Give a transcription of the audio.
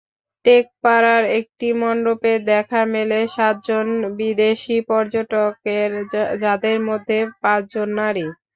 টেকপাড়ার একটি মণ্ডপে দেখা মেলে সাতজন বিদেশি পর্যটকের, যাঁদের মধ্যে পাঁচজন নারী।